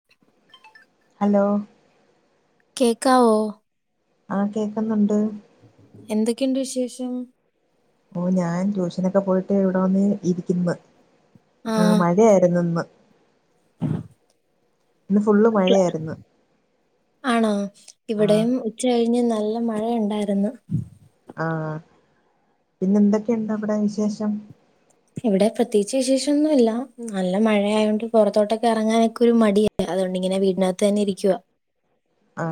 [inaudible] Hello? കേക്കാവോ? ആ കേക്കുന്നുണ്ട്. എന്തൊക്കെണ്ട് വിശേഷം? ഓ ഞാൻ ട്യൂഷനൊക്കെ പോയിട്ട് ഇവിടവന്ന് ഇരിക്കുന്ന്. ആഹ് മഴയായിര്ന്ന് ഇന്ന്. [inaudible] ഇന്ന് ഫുള്ള് മഴയായിരുന്നു ആണോ ആ ഇവിടെയും ഉച്ചകഴിഞ്ഞ് നല്ല മഴയുണ്ടാര്ന്ന്. ആഹ് പിന്നെന്തെക്കെണ്ട് അവിടെ വിശേഷം? ഇവിടെ പ്രത്യേകിച്ച് വിശേഷൊന്നുംഇല്ല. നല്ല മഴയായൊണ്ട് പൊറത്തോട്ടൊക്കെ എറങ്ങാനൊക്കെ ഒരു മടിയ. അതോണ്ടിങ്ങനെ വീടിനകത്ത് തന്നെ ഇരിക്കുവാ. ആ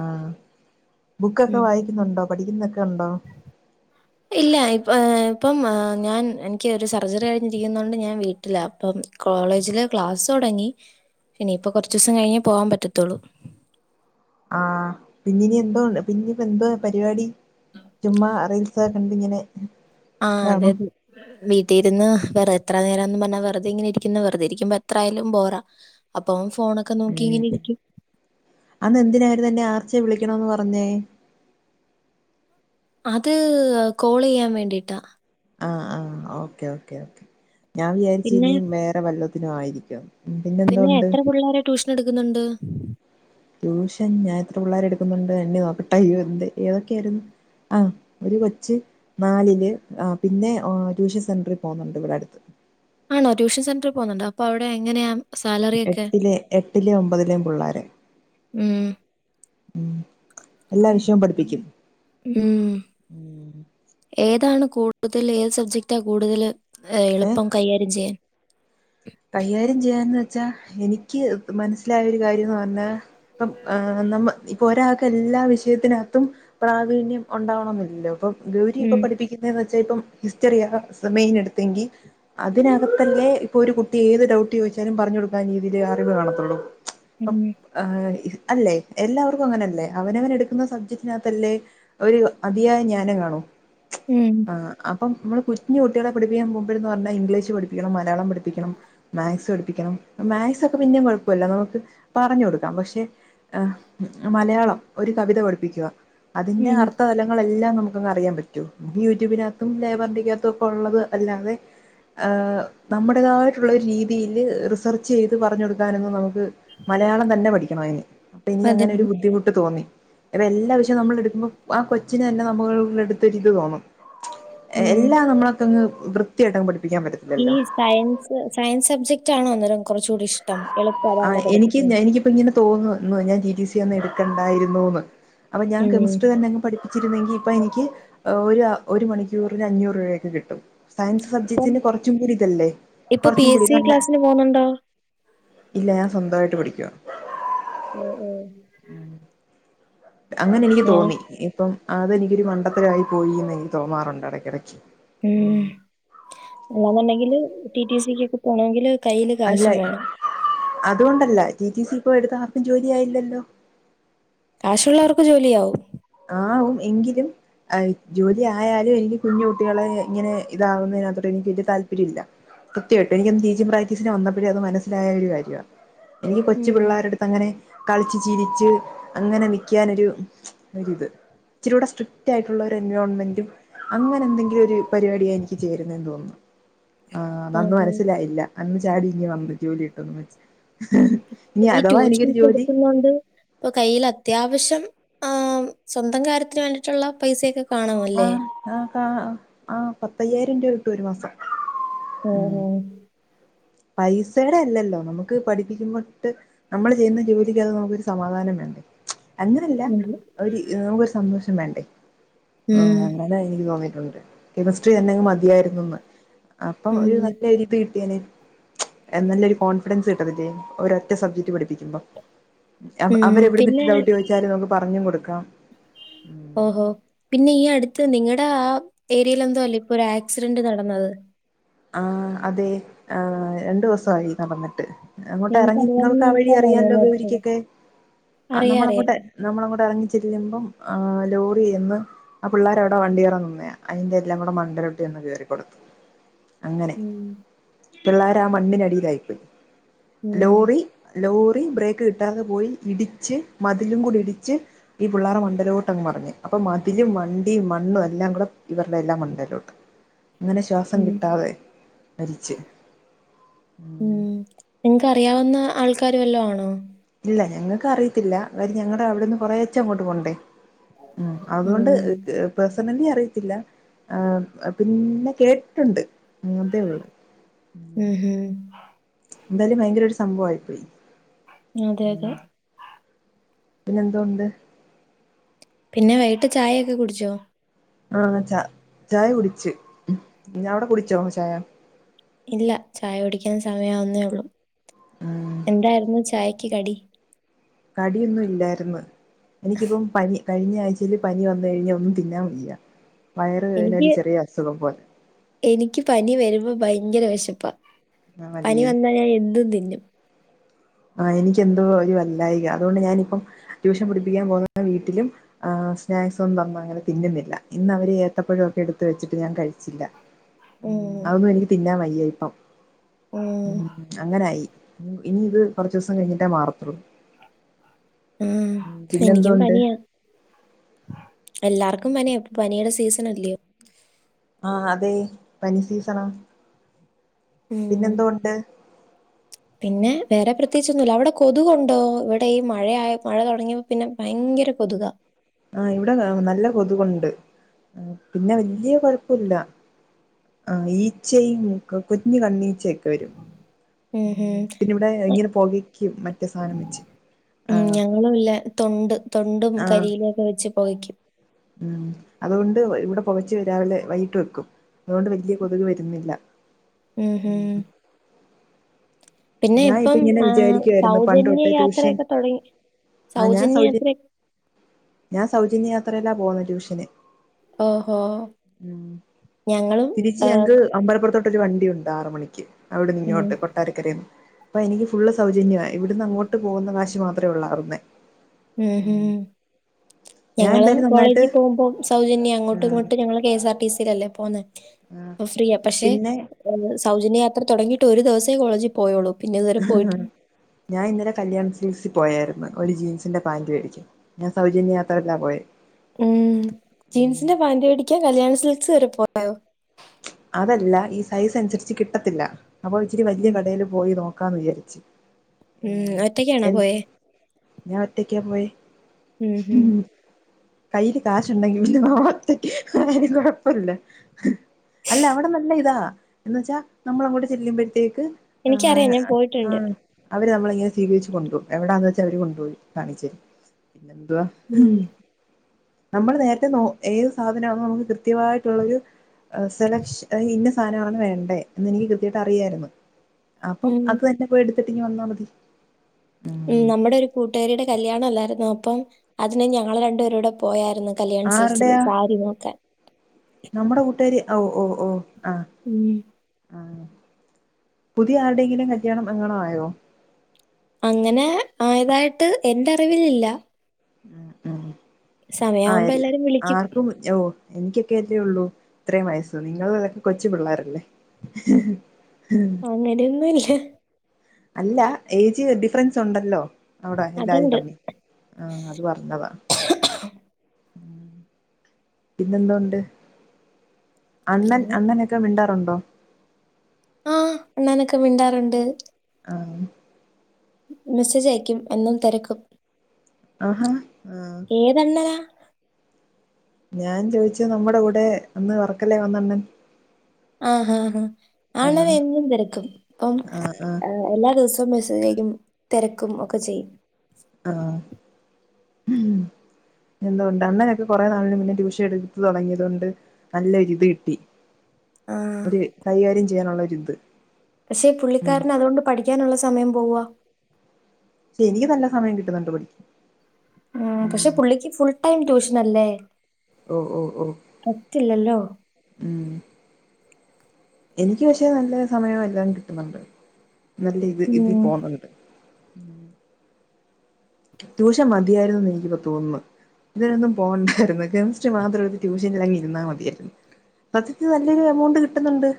ബുക്കൊക്കെ ഉം വായിക്കുന്നുണ്ടോ? പഠിക്കുന്നൊക്കെ ഒണ്ടോ? [inaudible] ഇല്ല ഇപ്പം, ഇപ്പം ഞാൻ എനിക്ക് ഒരു സർജറി കഴിഞ്ഞിരിക്കുന്നോണ്ട് ഞാൻ വീട്ടില അപ്പം കോളേജില് ക്ലാസ്സോടങ്ങി. ഇനിയിപ്പ കുറച്ചൂസം കഴിഞ്ഞെ പോവാൻ പറ്റത്തുള്ളൂ. ആഹ് പിന്നീനി എന്തോ പിന്നിപ്പ എന്തോ പരിപാടി. ചുമ്മ അറിയി സക്കണ്ട് ഇങ്ങനെ ആ അതെ, ഇതാണോ തെ. വീട്ടിരുന്ന് വെറ എത്ര നേരംന്നും പറഞ്ഞാ വെറുതെ ഇങ്ങനെ ഇരിക്കുന്ന വെറുതെ ഇരിക്കുമ്പോ എത്ര ആയാലും ബോറ. അപ്പ ഫോണ് അന്ന്എന്തിനായിരുന്നെന്നെ ആർച്ചേ വിളിക്കണൊന്ന് പറഞ്ഞേ. അത്കോളെയ്യാൻ വേണ്ടിട്ടാ. ആഹ്, ആഹ് ഓക്കെഓക്കേഓക്കേ പിന്നെ ഞാൻവിയാരിച്ചുനിം മേറെ വെല്ലതിനുംആയിരിക്കും. പിന്നെഎത്രപുള്ളേരെ ട്യൂഷനെടുക്കുന്നുണ്ട്? ട്യൂഷൻ ഞാൻത്രപുള്ളരെ എടുക്കുന്നുണ്ട് എണ്ണിനോക്കട്ടെ. അയ്യോന്ത് ഏതൊക്കെയിരുന്നു. ആഹ് ഒരുകൊച്ച് നാലില് ആഹ് പിന്നെഓ ട്യൂഷൻ സെന്റെറിപോന്നുണ്ട്ഇവിടെഅടുത്ത്. ആണോട്യൂഷൻസെന്റെറിപോക്ന്നുണ്ട്. അപ്പോഅവിടെഎങ്ങനെയാ? എട്ടിലെ എട്ടിലേഒമ്പതിലേം പുള്ളാരെ. ഉം. ഉം എല്ലാവിഷയോംപഠിപ്പിക്കും. ഉംഹ്. ഏതാണ്കൂടുതല് ഏത് സബ്ജക്റ്റാകൂടുതല്? എളുപ്പംകൈകാര്യംചെയ്യാൻ. കൈയാര്യംചെയ്യാന്ന് വെച്ചാ എനിക്ക് മനസ്സിലായൊരു കാര്യംന്ന്പറഞ്ഞ. ഇപ്പം നമ്മ ഇപ്പൊഒരാക്ക് എല്ലാ വിഷയത്തിനാത്തും പ്രാവീണ്യം ഒണ്ടാവണോന്നില്ലല്ലോ ഉം. ഇപ്പൊഗൗരിയൊക്കെപഠിപ്പി പിന്നെന്നച്ചാപ്പം ഹിസ്റ്ററിയാമെയിൻ എടുത്തെങ്കി അതിനകത്തന്നെ ഇപ്പൊരു കു ട്ടീഏത് ഡൗട്ട്ചോയിച്ചാലും പറഞ്ഞുകൊടുക്കാൻ രീതിയിലേഅറിവ്കാണത്തൊള്ളൂ. ഉം. ഏഹ് അല്ലേ എല്ലാവർക്കും അങ്ങനല്ലേ അവനവൻ എടുക്കുന്ന സബ്ജക്റ്റിനകത്തല്ലേ ഒരു അതിയായ ജ്ഞാനം കാണൂ. ഉം ആഹ് അപ്പം മ്മള് കുഞ്ഞ് കുട്ടിയാളെ പഠിപ്പിക്കാൻ പോകുമ്പഴ് ന്ന് പറഞ്ഞാ, ഇംഗ്ലീഷ് പഠിപ്പിക്കണം മലയാളം പഠിപ്പിക്കണം മേക്സ് പഠിപ്പിക്കണം മേക്സൊക്കെ പിന്നെം കൊഴപ്പമില്ല. നമുക്ക് പറഞ്ഞ് കൊടുക്കാം. പക്ഷെ എഹ് മലയാളം ഒരു കവിത പഠിപ്പിക്കുവാ അതിന്റെ ഉം. അർത്ഥതലങ്ങളെല്ലാം നമു ത്ങ്ങ അറിയാൻപറ്റോ. നമുക്ക് യൂട്യൂബിനകത്തും ലേബറൻ്റ്യക്കകത്തും ഒക്ക ഉള്ളത് അല്ലാതെ ഏഹ് നമ്മുടെതാ ട്ടുള്ളൊര് രീതിയില് റിസർച്ചെയ്ത് പറഞ്ഞ് കൊടുക്കാനൊന്നും നമുക്ക് മലയാളം തന്നെ പഠിക്കണം അയിന്. പിനി അതെ യങ്ങനൊരു ബുദ്ധിമുട്ട് തോന്നി. അതെ എല്ലാ വിഷയോം നമ്മളെടുക്കുമ്പം ആ കൊച്ചിന് യന്നെ നമ്മളുള്ളിടത്തൊരിത് തോന്നും ഉം. എല്ലാം നമ്മളക്കങ്ങ് വൃത്തിയായിട്ടങ്ങ് പഠിപ്പിക്കാൻ പറ്റ ഈ സയൻസ് സയൻസബ്ജക്റ്റാണോ അന്നേരം കൊറ്ച്ചുടീ ഇഷ്ടം, എളുപ്പ അതാണോ പഠിപ്പിക്കാൻ? ഇപ്പ ഇങ്ങിനെ തോന്നുന്നു ഞാൻ റ്റി റ്റി സി യൊന്ന് എടുക്കണ്ടായിരുന്നൂന്ന്. അപ്പൊ ഞാൻ ഉം. കെമിസ്ട്രി തന്നെങ്ങ് പഠിപ്പിച്ചിരുന്നെങ്കി ഇപ്പൊ എനിക്ക് ഒരു അ ഒരു മണിക്കൂറിന് അഞ്ഞൂറ് രൂപൊയൊക്കെ കിട്ടും. സയൻസ് ഇപ്പം- സബ്ജക്റ്റിന് കൊറച്ചുംകൂടി ഇതല്ലേ. കുറച്ചും കൂടി ന്ന് പർഞ്ഞ പോണ് ണ്ടോ? ഇല്ല ഞാൻ സ്വന്തവായിട്ട് പഠിക്യുവാ. ഉം ഉം അങ്ങനെ എനിക്ക് ഞാൻ തോന്നി. ഇപ്പം അതെനിക്കൊരു മണ്ടത്തരവായി പോയിന്ന് എനിക്ക് തോന്നാറുണ്ട് എടക്കടക്കി. ഉംഹ്. അല്ലാന്നുണ്ടെങ്കില് ട്ടി ട്ടി സി ക്ക് ഒക്കെ പോണൊങ്കില് അല്ലയ് അതുകൊണ്ടല്ല റ്റി റ്റി സി ഇപ്പോ എടുത്ത ആർക്കും ജോലിയായില്ലല്ലോ. കാശുള്ളവർക്ക് ജോലിയാവും. ആവും. എങ്കിലും അഹ് ജോലിയായാലും എനിക്ക്‌ കുഞ്ഞുകുട്ടികളെ ഇങ്ങനെ ഇതാവുന്നതിനകത്തോട്ട് എനിക്ക് വല്ലിയ താല്പര്യമില്ല. കൃത്യമായിട്ടും എനിക്കന്ന് റ്റീച്ചിംഗ് പ്രാക്റ്റിസിന് വന്നപ്പഴേ അത് മനസ്സിലായൊരു കാര്യവാ. എനിക്ക്‌ കൊച്ചു ഉം. പിള്ളേര്ടുത്തങ്ങനെ കളിച്ചുചിരിച്ച് അങ്ങനെ നിക്ക്യാനൊരു ഒരിത്. ഇച്ചിര്യൂടെ സ്ട്രിക്റ്റ് ആയിട്ടുള്ളൊരു എൻവിയോൺമെന്റും അങ്ങനെ എന്തെങ്കിലു ഒര് പരിപാടിയെ എനിക്ക് ചേരുന്നേന്ന് തോന്നുന്നു. ആഹ് അതന്ന് ഓഹോ. മനസ്സിലായില്ല അന്ന് ചാടി ഇങ്ങ് വന്ന് ജോലി കിട്ടുംന്ന് വെച്ച് ഇനി ഈ അഥവാ എനിക്കൊരു ട്യൂഷനൊക്കെ ജോലി എടുക്കുന്നൊണ്ട് ഇപ്പൊ കയ്യിലത്യാവശ്യം ആഹ് സ്വന്തം കാര്യത്തിന് വേണ്ടിട്ടുള്ള പൈസയൊക്കെ കാണുമല്ലേ. ആഹ് ആഹ് കാ ആഹ് പത്തയ്യായിരം രൂപ കിട്ടും ഒരു മാസം. ഉം ഓഹോ പൈസേടെ അല്ലല്ലോ നമുക്ക് പഠിപ്പിക്കുമ്പോ ട്ട് നമ്മൾ ചെയ്യുന്ന ജോലിക്കകത് നമുക്കൊരു സമാധാനം വേണ്ടേ അങ്ങനല്ല ഉണ്ട്. ഒരു നമുക്ക് ഒരു സന്തോഷം വേണ്ടേ. ഉം. ആഹ് അ ങ്ങനെ എനിക്ക് തോന്നിട്ടുണ്ട്. കെമിസ്ട്രി തന്നെങ്ങു മതിയായിരുന്നുന്ന്. അപ്പം ഒരു ഉം. നല്ലൊരിത് കിട്ടിയേനെ. എഹ് നല്ലൊരു കോൺഫിഡൻസ് കിട്ടത്തില്ലേ ഒരൊറ്റ സബ്ജക്റ്റ് പഠിപ്പിക്കുമ്പം. അവ ഉം. അവര് എവിട്ന്നിട്ട് പിന്നെ ഡൗട്ട് ചോദിച്ചാലും നമുക്ക് പറഞ്ഞും കൊടുക്കാം. ഉം ഓഹോ, പിന്നെ ഈ അടുത്ത് നിങ്ങളുടെ ആ, ഏരിയൽ എന്തോ അല്ലേ ഇപ്പൊ ഒരു ആക്സിഡന്റ് നടന്നത്. ആഹ് അതെ. ഏഹ് രണ്ട് ദിവസവായി നടന്നിട്ട്. അങ്ങോട്ട് എറങ്ങി അറിയാവുന്ന നിങ്ങൾക്ക് ആ വഴി ആൾക്കാരാണോ അറിയാലോ മരിച്ചത് ഗൗരിക്കൊക്കെ ആഹ് അറിയാം അറിയാം നമ്മളങ്ങോട്ട് നമ്മള് അങ്ങോട്ട് എറങ്ങിച്ചെല്ലുമ്പം ആഹ് ലോറി ചെന്ന് ആ പിള്ളേരവിടെ വണ്ടി കേറാൻ നിന്നയാ അയിന്റെ എല്ലാം കൂടെ മണ്ടയ്ലോട്ട് ചെന്ന് കേറിക്കൊടുത്തു. അങ്ങനെ ഉം. പിള്ളേരാ മണ്ണിനടിയിലായിപ്പോയി. ഉം. ലോറി ലോറി ബ്രേക്ക് കിട്ടാതെ പോയി ഇടിച്ച് മതിലും കൂടി ഇടിച്ച് ഈ പിള്ളാരെ മണ്ടയിലോട്ട് അങ്ങ് മറിഞ്ഞ്. അപ്പൊ മതിലും വണ്ടിയും മണ്ണും എല്ലാം കൂടെ ഇവര്ടെ എല്ലാം മണ്ടേലോട്ട് ഇന്നലെ ശ്വാസം ഉം. കിട്ടാതെ മരിച്ച്. ഉം നിങ്ങക്ക് അറിയാവുന്ന ആൾക്കാര് വല്ലോം ആണോ ഇല്ല ഞങ്ങൾക്ക് അറിയത്തില്ല അവര് ഞങ്ങളുടെ അവിടെന്ന് കുറേച്ചേ അങ്ങോട്ട് പോകണ്ടേ ഉം അതുകൊണ്ട് ഉം പേഴ്സണലി അറിയത്തില്ല ആഹ് പിന്നെ കേട്ടിട്ടുണ്ട് അങ്ങനത്തെ ഉള്ളു ഉം ഉം എന്തായാലും ഭയങ്കര ഒരു സംഭവായിപ്പോയി. അതെ അതെ പിന്നെ എന്തോണ്ട് പിന്നെ വൈകിട്ട് ചായയൊക്കെ കുടിച്ചോ ആഹ് ച ചായ കുടിച്ച് അവിടെ കുടിച്ചോ ചായ ഇല്ല ചായ കുടിക്കാൻ സമയം ആവുന്നേ ഉള്ളു ഉം എന്തായിരുന്നു ചായക്ക് കടി കടിയൊന്നും ഇല്ലായിര്ന്ന് എനിക്കിപ്പം പനി കഴിഞ്ഞ ആഴ്ചേല് പനി വന്നു കഴിഞ്ഞാ ഒന്നും തിന്നാൻ വയ്യാ വയറിനൊരു എനിക്ക് ചെറിയ അസുഖം പോലെ എനിക്ക് പനി വരുമ്പോ ഭയങ്കര വെശപ്പാ പനി ആണല്ലേ വന്നാ ഞാൻ എന്തും തിന്നും [inaudible] ആഹ് എനിക്ക് എന്തോ ഒരു വല്ലായിക അതുകൊണ്ട് ഞാനിപ്പം ട്യൂഷൻ പഠിപ്പിക്കാൻ പോകുന്ന വീട്ടിലും ആഹ് സ്നാക്സൊന്നും തന്ന അങ്ങനെ തിന്നുന്നില്ല ഇന്ന് അവര് ഏത്തപ്പഴം ഒക്കെ എടുത്ത് വെച്ചിട്ട് ഞാൻ കഴിച്ചില്ല ഉം അഔന്നും എനിക്ക് തിന്നാൻ വയ്യ ഇപ്പം ഉം അങ്ങനായി ഇനി ഇത് കൊറച്ചുസം കഴിഞ്ഞിട്ട മാറത്തൊള്ളൂ ഉം എനിക്കും പിന്നെന്തോണ്ട് പനിയാ എല്ലാർക്കും പനിയ ഇപ്പൊ പനിയുടെ സീസണല്ലിയോ ആഹ് അതെ പനി സീസണാ ഉം പിന്നെന്തോ ഉണ്ട് [inaudible] പിന്നെ വേറെ പ്രത്യേകിചൊന്നുല്ല അവിടെ കൊതുകുണ്ടോ ഇവിടെ ഈ മഴയ മഴ തൊടങ്ങിപ്പം പിന്നെ ഭയങ്കര കൊതുകാ ആഹ് ഇവിടെ നല്ല കൊതുകുണ്ട് പിന്നെ വലൃയ കൊഴപ്പല്ല ആഹ് ഈച്ചയും കുഞ്ഞ് കണ്ണീച്ചയൊക്കെ വരും ഉം ഹും പിന്നെ ഇവിടെ ഇങ്ങനെ പോകക്കും മറ്റേ സാധനം വെച്ച് ഉം ആഹ് ഞങ്ങളും ഇല്ല തൊണ്ട തൊണ്ടും ആഹ് കരിയിലൊക്കെ വെച്ച് പോകയ്ക്കും ഉം അതുകൊണ്ട് ഇവിടെ പോകച്ച് രാവിലെ വൈകിട്ട് വെക്കും അതൊണ്ട് വലിയ കൊതുക് വരുന്നില്ല ഉം ഉം ഞാൻ ഇപ്പൊ ഇപ്പം ഇങ്ങനെ ആഹ് വിചാരിക്കുവായിരുന്നു പണ്ട് സൗജന്യ തൊട്ടെ ട്യൂഷൻ യാത്രയൊക്കെ തുടങ്ങി. ആഹ് ഞാൻ സൗജന്യ ഞാൻ സൗജന്യ യാത്രയിലാ പോന്നെ ട്യൂഷന് ഓഹോ! ഉം ഞങ്ങളും തിരിച്ച് ആഹ് ഞങ്ങൾ അമ്പലപ്പുറത്തോട്ടൊരു വണ്ടിയുണ്ട് ആറ് മണിക്ക് അവിടുന്ന് ഉം. ഇങ്ങോട്ട് കൊട്ടാരക്കരെന്ന് അപ്പൊ എനിക്ക് ഫുള് സൗജന്യ ഇവിടുന്ന് അങ്ങോട്ട് പോകുന്ന കാശ് മാത്രമേ ഉള്ളു അവ്ട്ന്ന് ഉം ഉം ഞാൻ ഞങ്ങളും എന്തായാലും നന്നായിട്ട് കോളേജിൽ പോകുമ്പോ സൗജന്യം അങ്ങോട്ടും ആഹ് ഇങ്ങോട്ടും ഞങ്ങള് K S R T C അല്ലേ പോന്നെ ആഹ് ഫ്രീയാ പക്ഷേ പിന്നെ ഏ സൗജന്യയാത്ര തുടങ്ങിട്ട് ഒരു ദിവസേ കോളേജിൽ പോയോളൂ പിന്നെ ഇതുവരെ ഹ് ഹ് പോയിട്ട് ഞാൻ ഇന്നലെ കല്യാൺ സിൽക്സിൽ പോയായിരുന്നു ഒരു ജീൻസിന്റെ പാന്റ് മേടിക്കാൻ ഞാൻ സൗജന്യ യാത്രയിലാ പോയേ ഉം ജീൻസിന്റെ പാൻ്റ് മേടിക്കാൻ കല്യാണ സിൽക്സ് വരെ പോയോ അതല്ല ഈ സൈസ് അനുസരിച്ച് കിട്ടത്തില്ല അപ്പൊ ഇച്ചിരി വലൃ കടയിൽ പോയി നോക്കാന്ന് വിചാരിച്ചു ഉം ഒറ്റയ്ക്കാണോ പോയെ ഞാൻ ഒറ്റക്കാ പോയേ ഉം ഹും. കൈയ്യില് കാശുണ്ടെങ്കിൽ പിന്നെ ഒറ്റക്കാണങ്കിലും കുഴപ്പല്ല അല്ല അവിടെ നല്ല ഇതാ എന്നുവച്ചാ നമ്മളങ്ങോട്ട് ചെല്ലുമ്പോഴത്തേക്ക് എനിക്കറിയാം ആഹ് ഞാൻ പോയിട്ടുണ്ട്. ആഹ് അവര് നമ്മളെ ഇങ്ങനെ സ്വീകരിച്ച് കൊണ്ടുപോകും എവിടാന്ന് വെച്ചാ അവര് കൊണ്ടുപോയി കാണിച്ചു തരും പിന്നെന്തുവാ ഉം നമ്മൾ നേരത്തെ നോ ഏത് സാധനമാന്ന് നമുക്ക് കൃത്യമായിട്ടുള്ളൊരു സെല ഇന്ന സാധനം ആണ് വേണ്ടേ എന്ന് എനിക്ക് കൃത്യമായിട്ട് അറിയായിരുന്നു അപ്പം ഉം. അത് തന്നെ പോയി എടുത്തിട്ട് ഇങ്ങ് വന്നാ മതി ഉം നമ്മുടെ ഒരു കൂട്ടുകാരിയുടെ കല്യാണം അല്ലായിരുന്നോ അപ്പം അതിന് ഞങ്ങള് രണ്ടു പേരും കൂടെ പോയാരുന്നു കല്യാൺ സിൽക്സില് ആരുടെയാ സാരി നോക്കാൻ നമ്മുടെ കൂട്ടുകാരി ഓ ഓ ഓ ആഹ് ഉം ആഹ് പുതിയ ആരുടെയെങ്കിലും കല്യാണം എങ്ങാണം ആയോ അങ്ങനെ ആയതായിട്ട് എന്റെ അറിവിൽ ഇല്ല ഉം ഉം സമയാവുമ്പോ ആയില്ല എല്ലാരും വിളിക്കും. ആർക്കും ഇപ്പം ഓ എനിക്കൊക്കെ അല്ലേ ഉള്ളൂ ഇത്രേം വയസ് നിങ്ങൾ ഒക്കെ കൊച്ചു പിള്ളേരല്ലേ ഹ് ഹ് അങ്ങനെയൊന്നുമില്ല അല്ല ഏജ് ഡിഫറൻസ് ഉണ്ടല്ലോ അവിടെ എല്ലാരും അതുണ്ട്. തമ്മിൽ ആഹ് അത് പറഞ്ഞതാ ഉം പിന്നെ എന്തോ ഉണ്ട് അണ്ണൻ പിന്നെ അണ്ണനൊ മിണ്ടാറുണ്ടോ ആഹ് അണ്ണനൊക്കെ മിണ്ടാറുണ്ട് ആഹ് മെസ്സേജ് അയക്കും എന്നും തിരക്കും ആഹാ ആഹ് ഏത് അണ്ണനാ ഞാൻ ചോദിച്ചത് നമ്മുടെ കൂടെ അന്ന് വർക്കലേ വന്ന അണ്ണൻ ആഹ് ആഹ് ആഹ് ആ അണ്ണൻ ആഹ് എന്നും തിരക്കും ഇപ്പം ആഹ് ആഹ് എല്ലാ ദിവസവും മെസ്സേജ് അയക്കും തിരക്കും ഒക്കെ ചെയ്യും ആഹ് പിന്നെ എന്തോ ഉണ്ട് അണ്ണനൊക്കെ കുറെ നാളിന് മുന്നെ ടൂഷൻ എടുത്ത് തുടങ്ങിയത് കൊണ്ട് നല്ല ഒരു ഇത് കിട്ടി ആ ഒരു കൈകാര്യം ചെയ്യാനുള്ള ഒരിത് പക്ഷെ പുള്ളിക്കാരന് അതുകൊണ്ട് പഠിക്കാനുള്ള സമയം പോവുവ പക്ഷെ എനിക്ക് നല്ല സമയം കിട്ടുന്നുണ്ട് പഠിക്കാൻ ഉം പക്ഷെ പുള്ളിക്ക് ഫുൾ ടൈം ട്യൂഷനല്ലേ ഓ ഓ ഓ പറ്റില്ലല്ലോ ഉം എനിക്ക് പക്ഷെ നല്ല സമയം എല്ലാം കിട്ടുന്നുണ്ട് നല്ല ഇത് ഇതി ഉം [unintelligible] ഉം ട്യൂഷൻ മതിയായിരുന്നൂന്ന് എനിക്കിപ്പോ തോന്നുന്നു ഇതിനൊന്നും പോകണ്ടായിരുന്നു കെമിസ്ട്രി മാത്രമെടുത്തു ട്യൂഷനിൽ അങ്ങിരുന്നാൽ മതിയായിരുന്നു സത്യത്തിൽ നല്ലൊരു എമൗണ്ട് കിട്ടുന്നുണ്ട്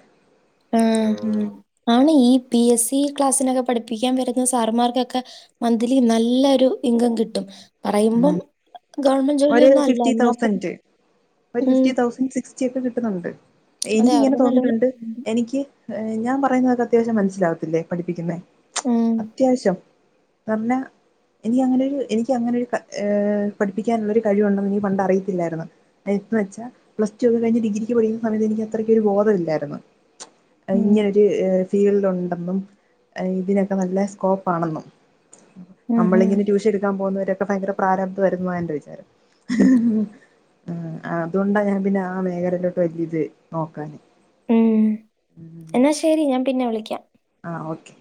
ആഹ് ഉം ആണ് ഈ പി എസ് സി ക്ലാസ്സിനൊക്കെ പഠിപ്പിക്കാൻ വരുന്ന സാറ്മാർക്കൊക്കെ മന്ത്ലി നല്ലൊരു ഇൻകം കിട്ടും പറയുമ്പം ആഹ് ഗവൺമെന്റ് ഒരു ജോലിയൊന്നും അല്ല ഫിഫ്റ്റി എന്നാ പോലും തൗസൻറ് ഒരു ഉം ഫിഫ്റ്റി തൗസൻറ് സിക്സ് ച്ചൊക്കെ കിട്ടുന്നുണ്ട് അതെ എനിക്കിങ്ങനെ അവർക്ക് നല്ലപോലെ തോന്നിയിട്ടുണ്ട് എനിക്ക് ഞാൻ പറയുന്നതൊക്കെ അത്യാവശ്യം മനസ്സിലാവത്തില്ലേ പഠിപ്പിക്കുന്നെ ഉം അത്യാവശ്യം പറഞ്ഞാ എനിക്കങ്ങനെയൊരു എനിക്കങ്ങനെയൊരു പഠിപ്പിക്കാനുള്ളൊരു കഴിവുണ്ടെന്ന് എനിക്ക് പണ്ട് അറിയത്തില്ലായിരുന്നു എന്നു വെച്ചാൽ പ്ലസ്ടു ഒക്കെ കഴിഞ്ഞ് ഡിഗ്രിക്ക് പഠിക്കുന്ന സമയത്ത് എനിക്ക് അത്രക്കൊരു ബോധമില്ലായിരുന്നു ഉം ഇങ്ങനൊരു ഫീൽഡ് ഉണ്ടെന്നും ഇതിനൊക്കെ നല്ല സ്കോപ്പാണെന്നും ഉം ഉം നമ്മളിങ്ങനെ ട്യൂഷൻ എടുക്കാൻ പോകുന്നവരൊക്കെ ഭയങ്കര പ്രാരാബ്ധവായിരുന്നെന്ന എന്റെ വിചാരം ആഹ് അതുകൊണ്ടാ ഞാൻ പിന്നെ ആ മേഖലയിലോട്ട് വല്ല്യ ഇത് നോക്കാഞ്ഞെ ഉം എന്നാ ശരി ഞാൻ പിന്നെ വിളിക്കാം ആഹ് ഓക്കെ